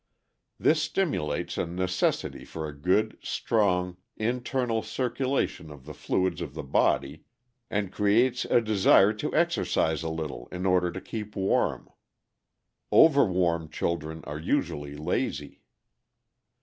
This stimulates a necessity for a good, strong internal circulation of the fluids of the body, and creates a desire to exercise a little in order to keep warm. Over warm children are usually lazy.